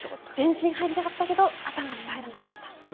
全身入りたかったけど頭しか入らなかった。